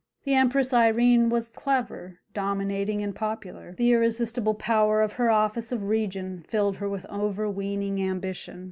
The Empress Irene was clever, domineering, and popular. The irresponsible power of her office of regent filled her with overweening ambition.